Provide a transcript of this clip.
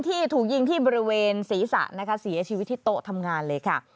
ที่ถูกยิงที่บริเวณศีรษะนะคะเสียชีวิตที่โต๊ะทำงานเลยค่ะ